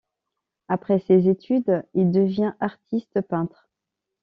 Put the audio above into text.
Après ses études, il devient artiste-peintre.